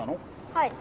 はい。